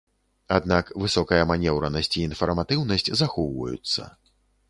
Аднак высокая манеўранасць і інфарматыўнасць захоўваюцца.